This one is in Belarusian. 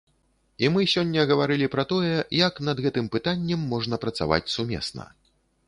І мы сёння гаварылі пра тое, як над гэтым пытаннем можна працаваць сумесна.